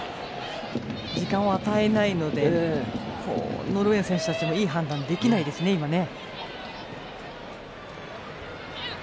時間を与えないのでノルウェーの選手たちもいい判断できないですね、今ね。